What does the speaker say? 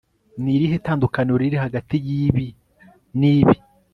Ni irihe tandukaniro riri hagati yibi nibi